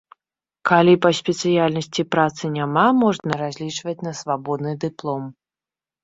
Калі па спецыяльнасці працы няма, можна разлічваць на свабодны дыплом.